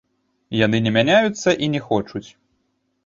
Яны не мяняюцца і не хочуць.